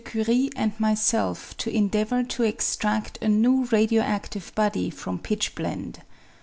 Curie and myself to endeavour to extratft a new radio adive body from pitchblende.